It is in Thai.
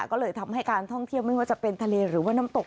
ก็เลยทำให้การท่องเที่ยวไม่ว่าจะเป็นทะเลหรือว่าน้ำตก